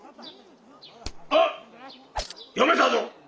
あっ読めたぞ！